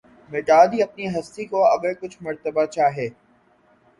مٹا دی اپنی ھستی کو اگر کچھ مرتبہ چاھے